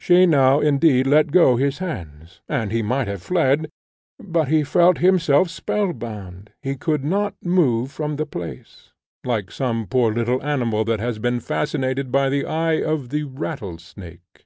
She now, indeed, let go his hands, and he might have fled, but he felt himself spellbound, he could not move from the place like some poor little animal that has been fascinated by the eye of the rattle snake.